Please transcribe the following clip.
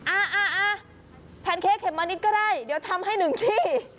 อ่าอ่าแพนเค้กเข็มมานิดก็ได้เดี๋ยวทำให้หนึ่งที่